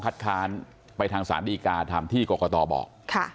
ค้านไปทางศาลดีกาตามที่กรกตบอก